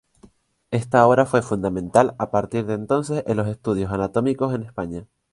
Esta obra fue fundamental a partir de entonces en los estudios anatómicos en España.